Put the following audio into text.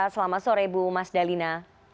selamat sore bu mas dalina